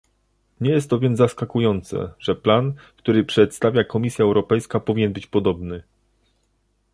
Nie jest to więc zaskakujące, że plan, który przedstawia Komisja Europejska powinien być podobny